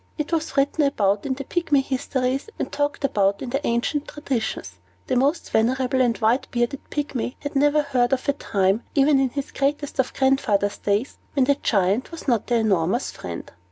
It was written about in the Pygmy histories, and talked about in their ancient traditions. The most venerable and white bearded Pygmy had never heard of a time, even in his greatest of grandfathers' days, when the Giant was not their enormous friend.